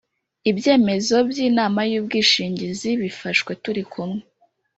ibyemezo by inama y ubwishinginzi bifashwe turi kumwe